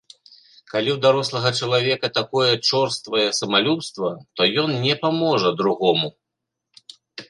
Калі ў дарослага чалавека такое чорствае самалюбства, то ён не паможа другому.